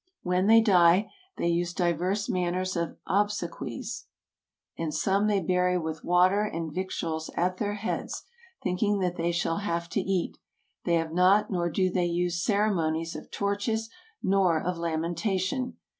When they die they use divers manners of obsequies, and some they bury with water and victuals at their heads, think ing that they shall have to eat ; they have not nor do they use ceremonies of torches nor of lamentation.